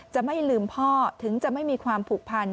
จะไม่ลืมพ่อถึงจะไม่มีความผูกพัน